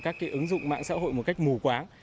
các cái ứng dụng mạng xã hội một cách mù quáng